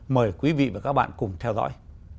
mời quý vị và các bạn cùng theo dõi